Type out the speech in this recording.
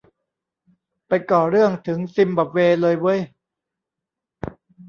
ไปก่อเรื่องถึงซิมบับเวเลยเว้ย